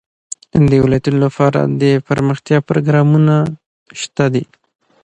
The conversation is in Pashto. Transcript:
د ولایتونو لپاره دپرمختیا پروګرامونه شته دي.